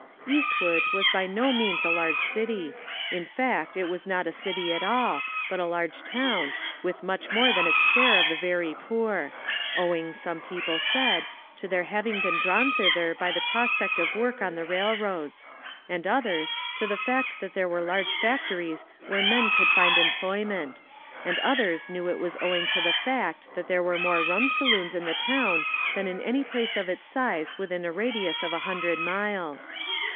Eastwood was by no means a large city; in fact, it was not a city at all, but a large town, with much more than its share of the very poor; owing, some people said, to their having been drawn thither by the prospect of work on the railroads ; and others, to the fact that there were large factories where men could find employment; and others knew it was owing to the fact that there were more rum saloons in the town than in any place of its size within a radius of a hundred miles.